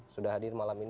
sudah hadir malam ini